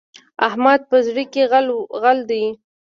احمد په زړه کې غل دی.